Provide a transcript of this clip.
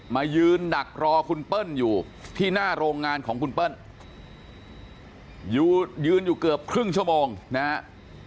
มายืนดักรอคุณเปิ้ลอยู่ที่หน้าโรงงานของคุณเปิ้ลยืนอยู่เกือบครึ่งชั่วโมงนะฮะ